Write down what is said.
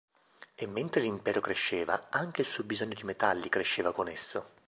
E mentre l'impero cresceva, anche il suo bisogno di metalli cresceva con esso.